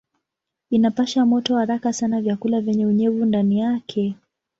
Inapasha moto haraka sana vyakula vyenye unyevu ndani yake.